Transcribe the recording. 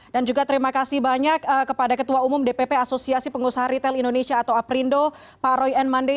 dan juga terima kasih banyak kepada ketua umum dpp asosiasi pengusaha ritel indonesia atau aprindo pak roy n mandei